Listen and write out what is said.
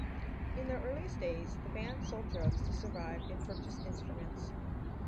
In their earliest days, the band sold drugs to survive and purchase instruments.